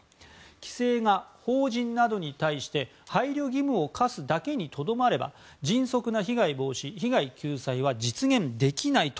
規制が法人などに対して配慮義務を課すだけにとどまれば迅速な被害防止、被害救済は実現できないと。